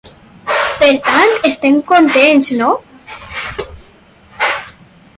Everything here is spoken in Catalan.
Per tant, estem contents, no?